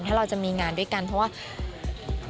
ถ้าเราจะมีงานด้วยกันเพราะว่า